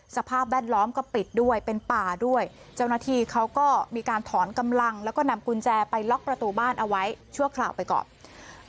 สภาพแวดล้อมก็ปิดด้วยเป็นป่าด้วยเจ้าหน้าที่เขาก็มีการถอนกำลังแล้วก็นำกุญแจไปล็อกประตูบ้านเอาไว้ชั่วคราวไปก่อน